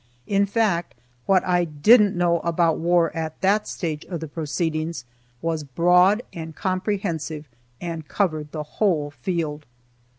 In fact, what I didn't know about war, at that stage of the proceedings, was broad and comprehensive, and covered the whole field.